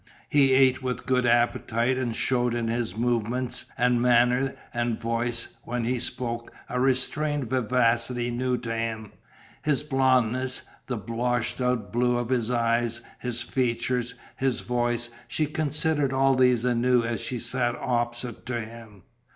He ate with good appetite and shewed in his movements and manner and voice when he spoke a restrained vivacity new to him. His blondness, the washed out blue of his eyes, his features, his voice, she considered all these anew as she sat opposite to him.